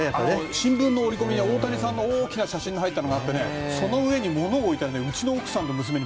新聞の折り込みに大谷さんの大きな写真が入っているのがあってその上に物を置いてうちの娘に